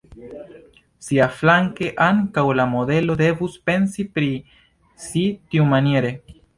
Siaflanke ankaŭ la modelo devus pensi pri si tiumaniere.